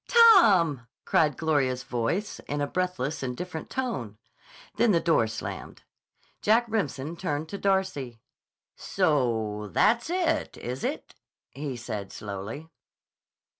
"Tom!" cried Gloria's voice in a breathless and different tone. Then the door slammed. Jack Remsen turned to Darcy. "So that's it, is it?" he said slowly.